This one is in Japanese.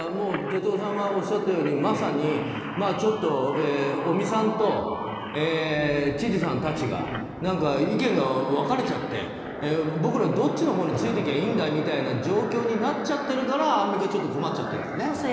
哲夫さんがおっしゃったようにまさにちょっと尾身さんと知事さんたちが何か、意見が分かれちゃって僕ら、どっちのほうについていきゃいいんだみたいな状況になっちゃってるからアンミカ、ちょっと困っちゃってるんだよね。